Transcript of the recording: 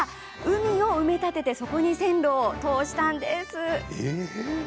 海を埋め立ててそこに線路を通したんです。